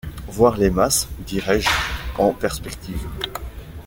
Voir les masses, dirai-je, en perspective.